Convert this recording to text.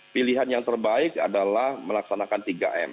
pilihan yang terbaik adalah melaksanakan tiga m